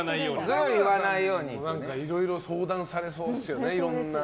いろいろ相談されそうですよね。